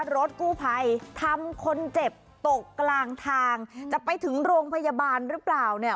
รถกู้ภัยทำคนเจ็บตกกลางทางจะไปถึงโรงพยาบาลหรือเปล่าเนี่ย